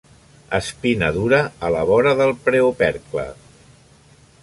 Espina dura a la vora del preopercle.